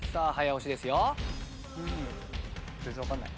全然わかんない。